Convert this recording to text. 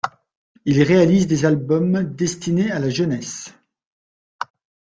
Il réalise des albums destinés à la jeunesse.